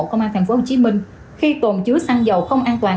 công an thành phố hồ chí minh khi tồn chứa xăng dầu không an toàn